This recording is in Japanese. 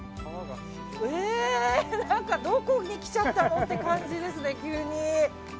どこに来ちゃったのって感じですね、急に。